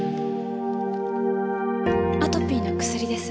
アトピーの薬です。